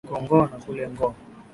Huku ng'o na kule ng'o.